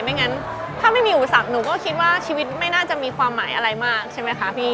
ไม่งั้นถ้าไม่มีอุปสรรคหนูก็คิดว่าชีวิตไม่น่าจะมีความหมายอะไรมากใช่ไหมคะพี่